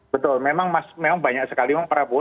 betul memang banyak sekali pak prabowo